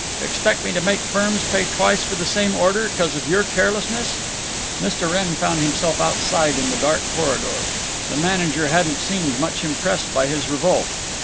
Expect me to make firms pay twice for the same order, cause of your carelessness?" Mr. Wrenn found himself outside in the dark corridor. The manager hadn't seemed much impressed by his revolt.